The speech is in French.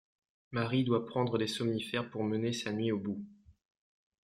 Marie doit prendre des somnifères pour mener sa nuit au bout.